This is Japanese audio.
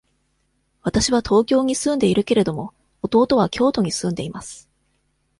わたしは東京に住んでいるけれども、弟は京都に住んでいます。